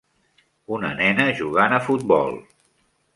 Una nena jugant a futbol.